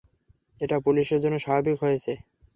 এটা পুলিশের জন্য স্বাভাবিক হয়েছে।